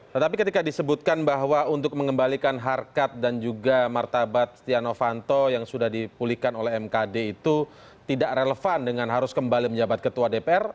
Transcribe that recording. tetapi ketika disebutkan bahwa untuk mengembalikan harkat dan juga martabat stiano fanto yang sudah dipulihkan oleh mkd itu tidak relevan dengan harus kembali menjabat ketua dpr